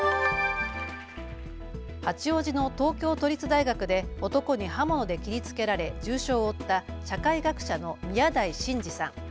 八王子の東京都立大学で男に刃物で切りつけられ重傷を負った社会学者の宮台真司さん。